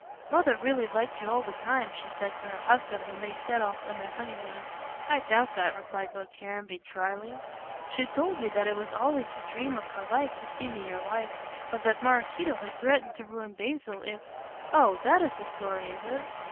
"Mother really liked you all the time," she said to her husband when they set off on their honeymoon. "I doubt that," replied Lord Caranby, dryly. "She told me that it was always the dream of her life to see me your wife, but that Maraquito had threatened to ruin Basil if " "Oh, that is the story, is it?